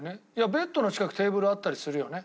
ベッドの近くテーブルあったりするよね。